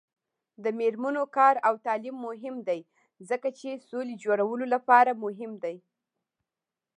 د میرمنو کار او تعلیم مهم دی ځکه چې سولې جوړولو لپاره مهم دی.